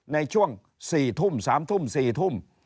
ในช่วง๔ทุ่ม๓ทุ่ม๔ทุ่ม